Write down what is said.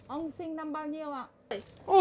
ông sinh năm bao nhiêu ạ